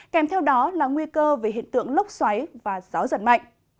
kèm theo đó là nguy cơ về hiện tượng lốc xoáy và gió giật mạnh